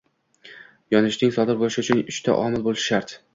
Yonishning sodir bo’lishi uchun uchta omil bajarilishi shart